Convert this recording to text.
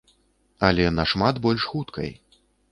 Але нашмат больш хуткай.